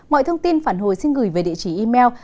mọi thông tin phản hồi xin gửi về địa chỉ email